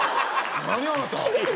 何あなた。